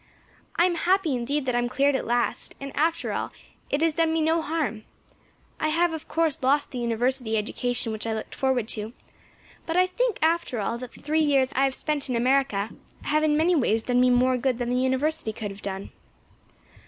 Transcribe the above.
I am happy indeed that I am cleared at last; and, after all, it has done me no harm. I have, of course, lost the University education which I looked forward to; but I think, after all, that the three years I have spent in America have in many ways done me more good than the University could have done."